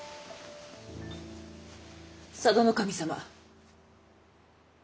佐渡守様。